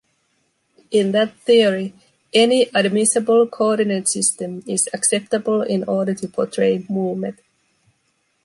In that theory, any admissible coordinate system is acceptable in order to portray movement.